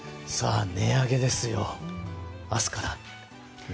値上げですよ、明日から。